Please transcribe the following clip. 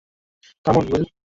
Come on, will.